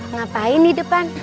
ngapain di depan